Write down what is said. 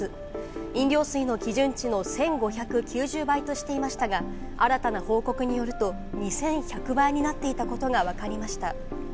飲料水の基準値の１５９０倍としていましたが、新たな報告によると２１００倍になっていたことがわかりました。